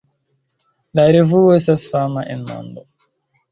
La revuo estas fama en mondo.